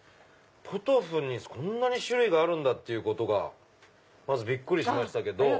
ポトフにそんなに種類があるんだってことがまずびっくりしましたけど。